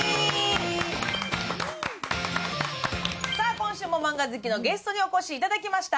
今週もマンガ好きのゲストにお越しいただきました。